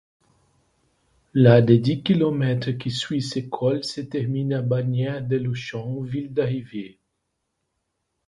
La de dix kilomètres qui suit ce col se termine à Bagnères-de-Luchon, ville d'arrivée.